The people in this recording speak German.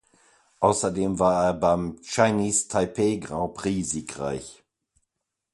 Außerdem war er beim Chinese Taipei Grand Prix siegreich.